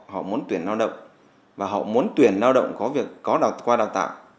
họ muốn tuyển lao động và họ muốn tuyển lao động qua đào tạo